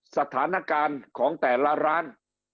สถานการณ์ของแต่ละร้าน